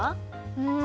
うん。